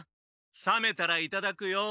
冷めたらいただくよ。